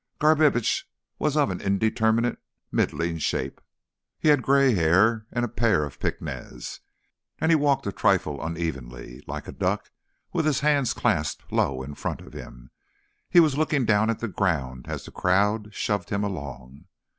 Garbitsch was of an indeterminate middling shape; he had grey hair and a pair of pince nez, and he walked a trifle unevenly, like a duck, with his hands clasped low in front of him. He was looking down at the ground as the crowd shoved him along.